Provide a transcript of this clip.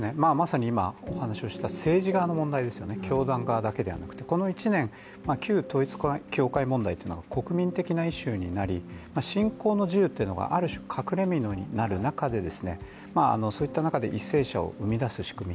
今お話のあった、政治の側だけではなくて教団側だけでなくて、この１年、旧統一教会問題というのは国民的なイシューになり信仰の自由というのがある種、隠れみのになる中で、そういった中で為政者を生み出す仕組み。